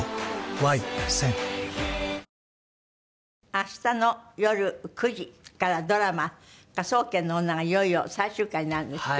明日のよる９時からドラマ『科捜研の女』がいよいよ最終回になるんですって？